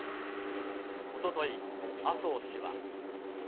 おととい、麻生氏は。